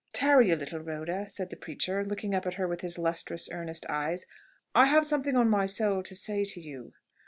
"Tarry a little, Rhoda," said the preacher, looking up at her with his lustrous, earnest eyes. "I have something on my soul to say to you."